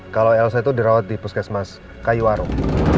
kalau elsa itu dirawat di puskesmas kayuwarung